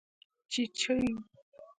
🐤چېچۍ